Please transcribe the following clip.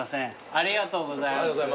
ありがとうございます。